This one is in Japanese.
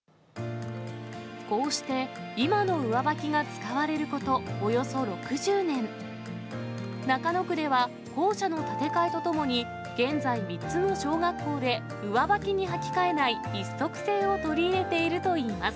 こうして、今の上履きが使われることおよそ６０年、中野区では、校舎の建て替えとともに、現在、３つの小学校で上履きに履き替えない一足制を取り入れているといいます。